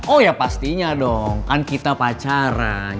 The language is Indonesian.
oh ya pastinya dong kan kita pacaran